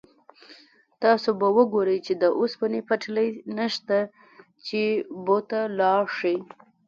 تاسو به ګورئ چې د اوسپنې پټلۍ نشته چې بو ته لاړ شئ.